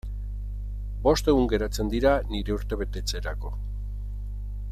Bost egun geratzen dira nire urtebetetzerako.